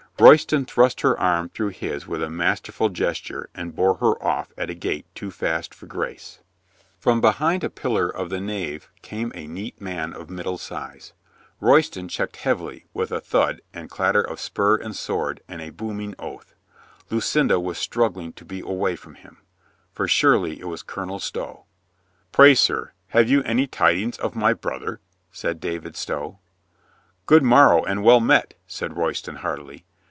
Royston thrust her arm through his with a mas terful gesture and bore her off at a gait too fast for grace. From behind a pillar of the nave came a neat man of middle size, Royston checked heavily with LUCINDA IS WED 291 a thud and clatter of spur and sword and a boom ing oath. Lucinda was struggling to be away from him. For surely it was Colonel Stow. "Pray, sir, have you any tidings of my brother?" said David Stow. "Good morrow and well met," said Royston heartily.